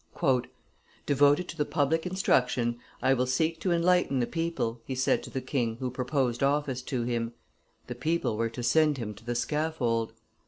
"Devoted to the public instruction, I will seek to enlighten the people," he said to the king who proposed office to him. The people were to send him to the scaffold.